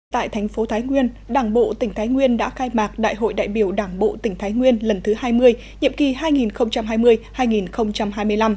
tại thành phố thái nguyên đảng bộ tỉnh thái nguyên đã khai mạc đại hội đại biểu đảng bộ tỉnh thái nguyên lần thứ hai mươi nhiệm kỳ hai nghìn hai mươi hai nghìn hai mươi năm